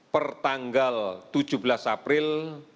pertanggal tujuh belas april